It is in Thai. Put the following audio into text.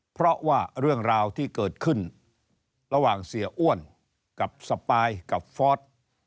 เพราะว่าเรื่องราวที่เกิดขึ้นระหว่างเสียอ้วนกับสปายกับฟอส